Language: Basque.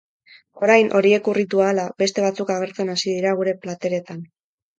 Orain, horiek urritu ahala, beste batzuk agertzen hasi dira gure plateretan.